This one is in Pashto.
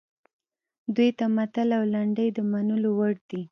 دوی ته متل او لنډۍ د منلو وړ دي